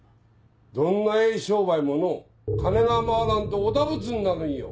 どんなええ商売ものう金が回らんとお陀仏になるんよ。